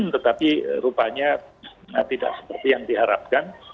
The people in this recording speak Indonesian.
tetapi rupanya tidak seperti yang diharapkan